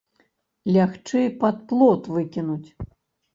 Лягчэй пад плот выкінуць.